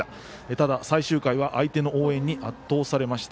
ただ、最終回は相手の応援に圧倒されました。